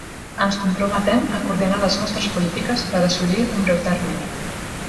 ens comprometem a coordinar les nostres polítiques per assolir en un breu termini